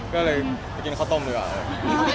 ก็เลยมากินข้าวต้มด้วยก่อน